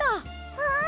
うん！